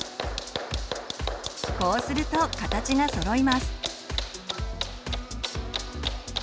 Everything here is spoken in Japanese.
こうすると形がそろいます。